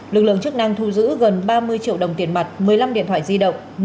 lực lượng chức năng thu giữ gần ba mươi triệu đồng tiền mặt một mươi năm điện thoại di động